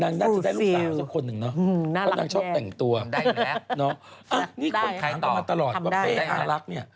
น่าจะได้ลูกสาวสักคนหนึ่งเนาะเพราะนางชอบแต่งตัวนี่คนขายต่อมาตลอดว่าเป้อารักเนี่ย